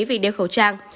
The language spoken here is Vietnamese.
về đeo khẩu trang